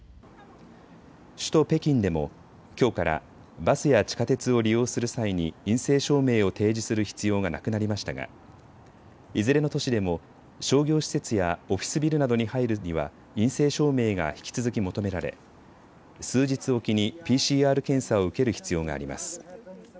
首都・北京でもきょうからバスや地下鉄を利用する際に陰性証明を提示する必要がなくなりましたがいずれの都市でも商業施設やオフィスビルなどに入るには陰性証明が引き続き求められ数日置きにＰＣＲ検査を受ける必要があります。